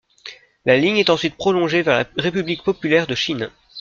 La ligne est ensuite prolongée vers la République populaire de Chine.